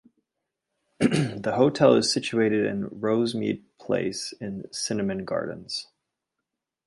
The hotel is situated in Rosmead Place in Cinnamon Gardens.